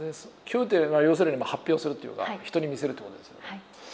共有って要するに発表するっていうか人に見せるということですよね。